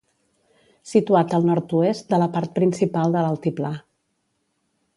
Situat al nord-oest de la part principal de l'altiplà.